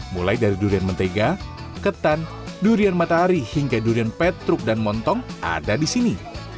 mulai dari durian mentega ketan durian matahari hingga durian petruk dan montong ada di sini